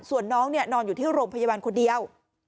ส่วนน้องนอนอยู่ที่โรงพยาบาลคนเดียว